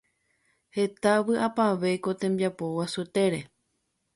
Heta vyʼapavẽ ko tembiapo guasuetére.